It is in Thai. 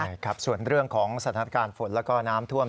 ใช่ครับส่วนเรื่องของสถานการณ์ฝนแล้วก็น้ำท่วม